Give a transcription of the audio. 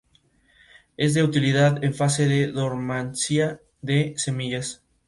Es de utilidad en fase de dormancia de semillas.